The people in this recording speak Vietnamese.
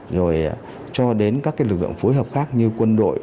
rồi cho đến các lực lượng phối hợp khác như quân đội